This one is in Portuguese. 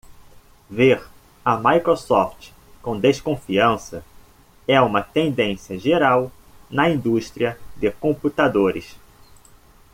Ver a Microsoft com desconfiança é uma tendência geral na indústria de computadores.